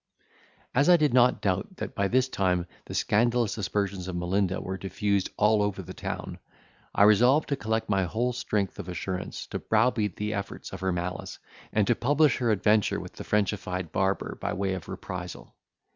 As I did not doubt that by this time the scandalous aspersions of Melinda were diffused all over the town, I resolved to collect my whole strength of assurance, to browbeat the efforts of her malice, and to publish her adventure with the frenchified barber by way of reprisal.